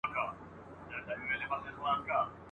اول بویه چي انسان نه وي وطن کي `